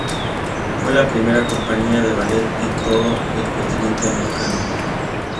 Fue la primera Compañía de ballet en todo el continente americano.